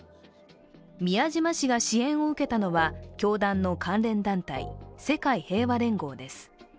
宮島氏が支援を受けたのは教団の関連団体・世界平和連合です。